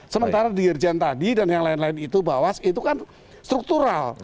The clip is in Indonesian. sementara dirjen tadi dan yang lain lain itu bawas itu kan struktural